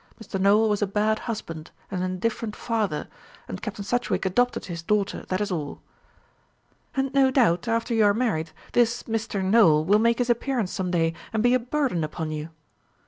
Mr. Nowell was a bad husband and an indifferent father, and Captain Sedgewick adopted his daughter; that is all." "And no doubt, after you are married, this Mr. Nowell will make his appearance some day, and be a burden upon you."